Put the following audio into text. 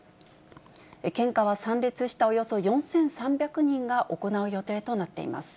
献花は参列したおよそ４３００人が行う予定となっています。